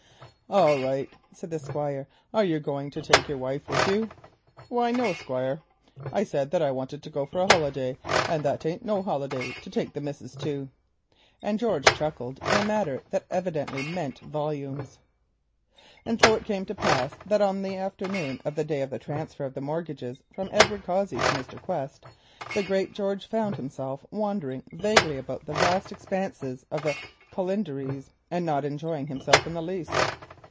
"All right," said the Squire; "are you going to take your wife with you?" "Why no, Squire; I said as I wanted to go for a holiday, and that ain't no holiday to take the old missus too," and George chuckled in a manner which evidently meant volumes. And so it came to pass that on the afternoon of the day of the transfer of the mortgages from Edward Cossey to Mr. Quest the great George found himself wandering vaguely about the vast expanse of the Colinderies, and not enjoying himself in the least.